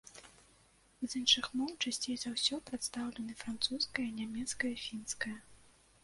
З іншых моў часцей за ўсё прадстаўлены французская, нямецкая, фінская.